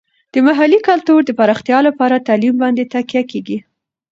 د محلي کلتور د پراختیا لپاره تعلیم باندې تکیه کیږي.